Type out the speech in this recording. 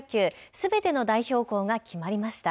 すべての代表校が決まりました。